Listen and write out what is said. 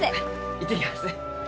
行ってきます。